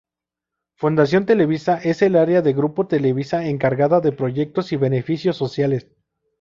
Fundación Televisa es el área de Grupo Televisa encargada de proyectos y beneficios sociales.